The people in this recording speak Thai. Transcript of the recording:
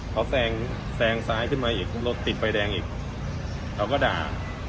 เขาแซงซ้ายขึ้นมาอีกรถติดไฟแดงอีกเขาก็ด่า